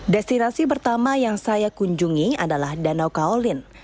destinasi pertama yang saya kunjungi adalah danau kaolin